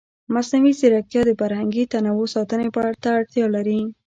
مصنوعي ځیرکتیا د فرهنګي تنوع ساتنې ته اړتیا لري.